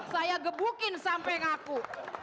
saya gebukin sampai ngaku